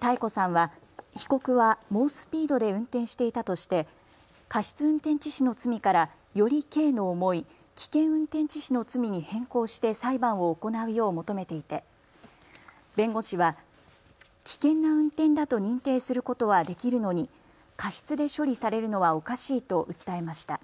多恵子さんは被告は猛スピードで運転していたとして過失運転致死の罪からより刑の重い危険運転致死の罪に変更して裁判を行うよう求めていて弁護士は危険な運転だと認定することはできるのに過失で処理されるのはおかしいと訴えました。